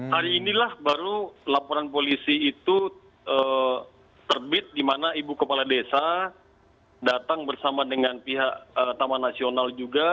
hari inilah baru laporan polisi itu terbit di mana ibu kepala desa datang bersama dengan pihak taman nasional juga